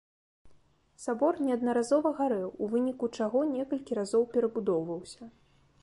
Сабор неаднаразова гарэў, у выніку чаго некалькі разоў перабудоўваўся.